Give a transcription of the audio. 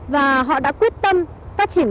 và họ đã quyết tâm phát triển